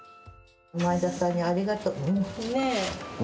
前田さんに「ありがとう」だね。